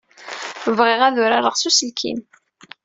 Bɣiɣ ad urareɣ s uselkim.